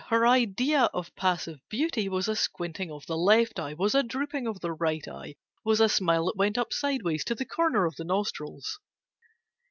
Her idea of passive beauty Was a squinting of the left eye, Was a drooping of the right eye, Was a smile that went up sideways To the corner of the nostrils.